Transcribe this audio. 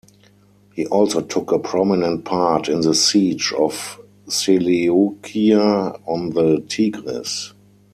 He also took a prominent part in the siege of Seleucia on the Tigris.